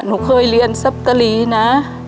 หนูเคยเรียนซับกะลีนะ